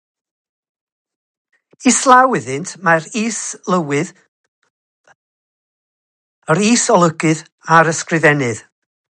Islaw iddynt mae'r is-lywydd, yr is-brif olygydd, a'r ysgrifennydd.